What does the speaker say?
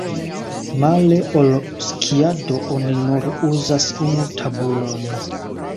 Male ol skiado oni nur uzas unu tabulon.